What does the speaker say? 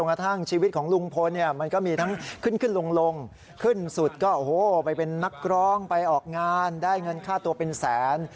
กระทั่งชีวิตของลุงพลเนี่ยมันก็มีทั้งขึ้นขึ้นลงขึ้นสุดก็โอ้โหไปเป็นนักร้องไปออกงานได้เงินค่าตัวเป็นแสน